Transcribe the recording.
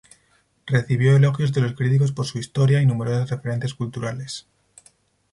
Recibió elogios de los críticos por su historia y numerosas referencias culturales.